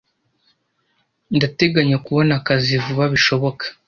Ndateganya kubona akazi vuba bishoboka.